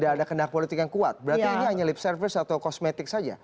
tidak ada kendak politik yang kuat berarti ini hanya lip service atau kosmetik saja